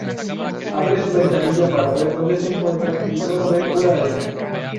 Abre su ventanilla para ver donde se encuentra y solo ve pura arena.